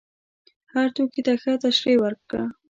هر توکي ته ښه تشریح وکړه.